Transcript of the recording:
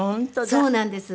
そうなんです。